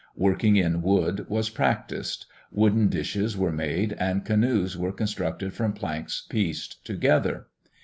Working in wood was practiced. Wooden dishes were made and canoes were constructed from planks pieced together.